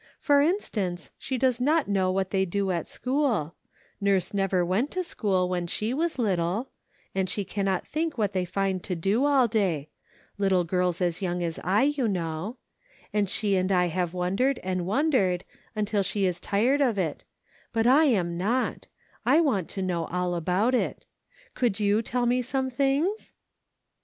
For instance, she does not know what they do at school ; Nurse never went to school when she was little ; and she cannot think what they find to do all day — little girls as young as I, you know ; and she and I have wondered and wondered, until she is tired o^ it ; but I am not ; I want to know all about it. Could you tell me some things